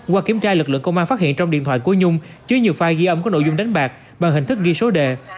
qua kiểm tra lực lượng công an phát hiện trong điện thoại của nhung chứa nhiều file ghi âm có nội dung đánh bạc bằng hình thức ghi số đề